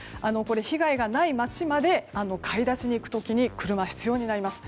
被害がない街まで買い出しに行く時に車が必要になります。